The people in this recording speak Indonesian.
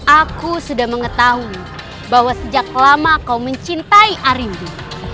aku sudah mengetahui bahwa sejak lama kau mencintai arimbu